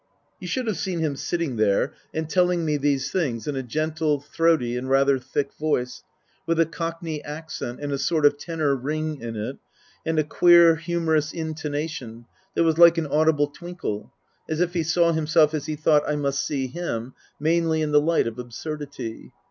You should have seen him sitting there and telling me 8 Tasker Jevons these things in a gentle, throaty and rather thick voice with a cockney accent and a sort of tenor ring in it and a queer, humorous intonation that was like an audible twinkle, as if he saw himself as he thought I must see him, mainly in the light of absurdity.